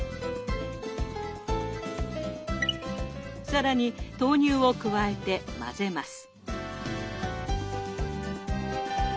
更に豆乳を加えて混ぜます。